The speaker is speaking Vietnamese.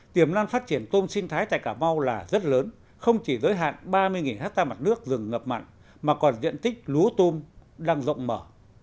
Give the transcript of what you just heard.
tiềm năng phát triển tôm sinh thái tại cà mau là rất lớn không chỉ giới hạn ba mươi hectare mặt nước rừng ngập mặn mà còn diện tích lúa tôm đang rộng mở